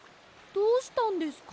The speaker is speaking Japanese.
どうしたんですか？